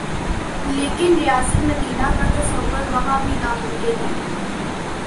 لیکن ریاست مدینہ کا تصور وہاں بھی ناممکن ہے۔